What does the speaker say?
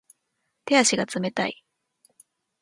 手足が冷たい